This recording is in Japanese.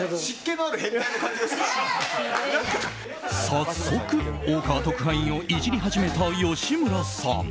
早速、大川特派員をいじり始めた吉村さん。